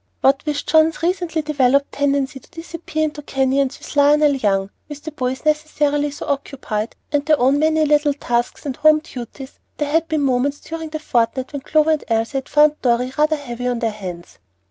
What with John's recently developed tendency to disappear into canyons with Lionel Young, with the boys necessarily so occupied, and their own many little tasks and home duties, there had been moments during the fortnight when Clover and Elsie had found Dorry rather heavy on their hands.